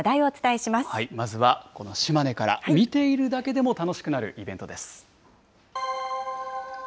まずはこの島根から、見ているだけでも楽しくなるイベントです。